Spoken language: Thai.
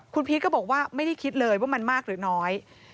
คุณพีชก็บอกว่าไม่ได้คิดเลยว่ามันมากหรือน้อย